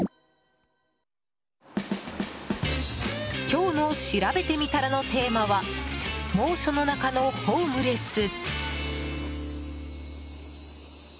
今日の、しらべてみたらのテーマは猛暑の中のホームレス。